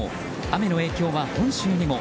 雨の影響は本州にも。